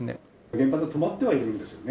原発止まってはいるんですよね？